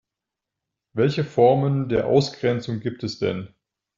Welche Formen der Ausgrenzung gibt es denn?